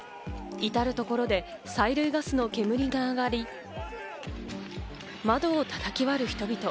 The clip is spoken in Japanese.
いたるところで催涙ガスの煙が上がり、窓を叩き割る人々。